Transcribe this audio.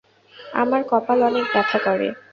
আমার কপাল অনেক ব্যথা করে।